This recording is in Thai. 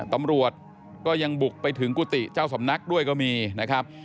ตำรวจก็ยังบุกไปถึงกุฏิเจ้าสำนักด้วยก็มีนะครับ